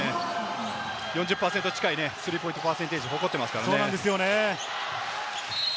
４０％近いスリーポイントパーセンテージを誇っていますからね。